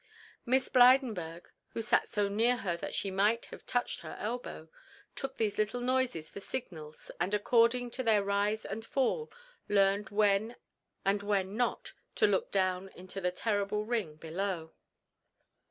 Miss Blydenburg, who sat so near her that she might have touched her elbow, took these little noises for signals and according to their rise and fall learned when and when not to look down into the terrible ring below.